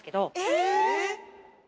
えっ。